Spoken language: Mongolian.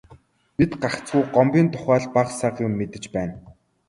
Бид гагцхүү Гомбын тухай л бага сага юм мэдэж байна.